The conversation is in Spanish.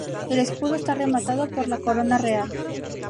El escudo está rematado por la corona real.